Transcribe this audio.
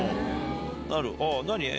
何？